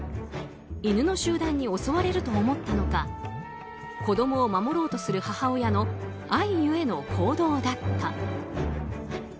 犬の集団に襲われると思ったのか子供を守ろうとする母親の愛ゆえの行動だった。